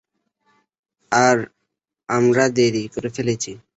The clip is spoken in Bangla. আর, আমরা দেরি করে ফেলেছি।